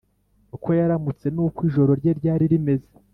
uko yaramutse n’uko ijoro rye ryari rimeze,